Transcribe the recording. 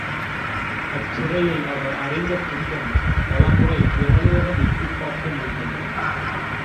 அச்சிறையில் அவர் அடைந்த துன்பம் பல முறை எமலோகம் எட்டிப் பார்க்க நேர்ந்தது.